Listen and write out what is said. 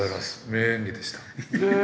名演技でした。